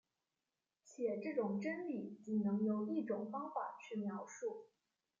且这种真理仅能由一种方法去描述。